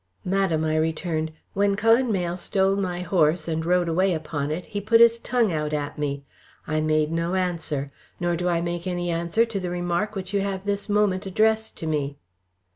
"Madam," I returned, "when Cullen Mayle stole my horse, and rode away upon it, he put out his tongue at me. I made no answer. Nor do I make any answer to the remark which you have this moment addressed to me."